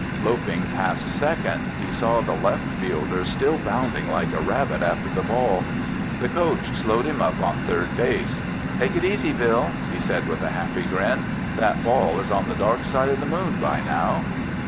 Loping past second, he saw the left fielder still bounding like a rabbit after the ball. The coach slowed him up on third base. "Take it easy, Bill," he said with a happy grin. "That ball is on the dark side of the Moon by now!"